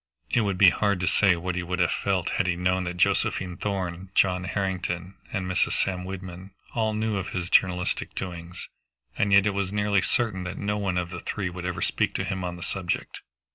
It would be hard to say what he would have felt had he known that Josephine Thorn, John Harrington, and Mrs. Sam Wyndham all knew of his journalistic doings. And yet it was nearly certain that no one of the three would ever speak to him on the subject.